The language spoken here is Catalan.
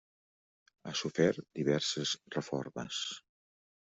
Ha sofert diverses reformes.